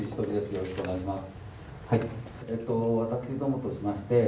よろしくお願いします。